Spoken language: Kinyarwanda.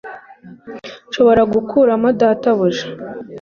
Nshobora gukuramo data buja